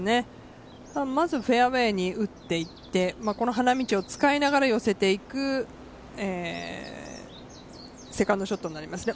まずフェアウエーに打っていってこの花道を使いながら寄せていくセカンドショットになりますね。